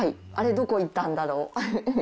どこ行ったんだろう。